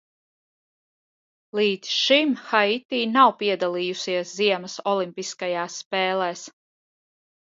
Līdz šim Haiti nav piedalījusies ziemas olimpiskajās spēlēs.